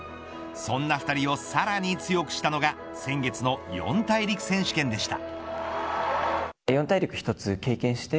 そんな２人をさらに強くしたのが先月の四大陸選手権でした。